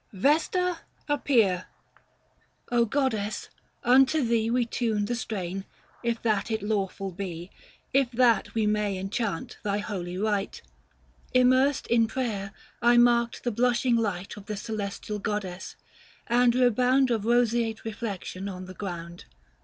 Vesta, appear ! goddess, unto thee We tune the strain, if that it lawful be — If that we may enchant thy holy rite. • Immersed in prayer, I marked the blushing light Of the celestial goddess, and rebound 300 Of roseate reflection on the ground.